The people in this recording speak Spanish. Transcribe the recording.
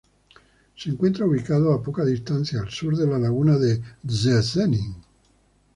Se encuentra ubicado a poca distancia al sur de la laguna de Szczecin.